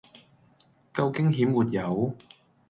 夠驚險沒有？